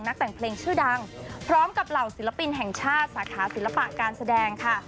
แต่งเพลงชื่อดังพร้อมกับเหล่าศิลปินแห่งชาติสาขาศิลปะการแสดงค่ะ